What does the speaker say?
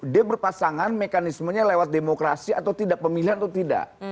dia berpasangan mekanismenya lewat demokrasi atau tidak pemilihan atau tidak